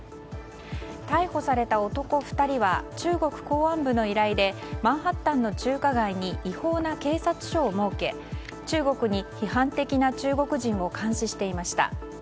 逮捕された男２人は中国公安部の依頼でマンハッタンの中華街に違法な警察署を設け中国に批判的な中国人を監視していました。